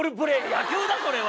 野球だそれは！